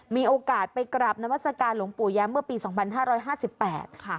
มีโอกาสไปกราบนวัสกาหลวงปู่แย้งเมื่อปีสองพันห้าร้อยห้าสิบแปดค่ะ